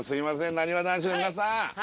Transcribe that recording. なにわ男子の皆さん。